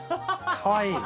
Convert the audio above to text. かわいい！